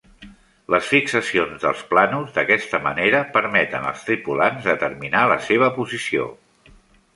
Les fixacions dels plànols d'aquesta manera permeten als tripulants determinar la seva posició.